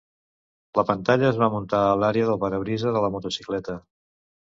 La pantalla es va muntar a l'àrea del parabrisa de la motocicleta.